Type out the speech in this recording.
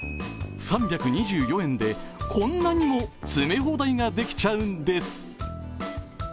３２４円でこんなにも詰め放題ができちゃうんです。